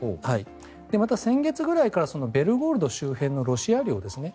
また、先月ぐらいからベルゴロド周辺のロシア領ですね。